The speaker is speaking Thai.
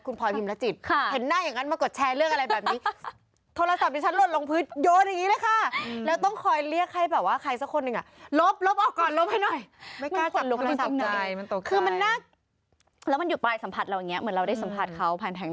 คุณพรพิมรจิตเห็นหน้าอย่างนั้นมากดแชร์เรื่องอะไรแบบนี้โทรศัพท์ที่ฉันหล่นลงพื้นโยนอย่างนี้แหละค่ะ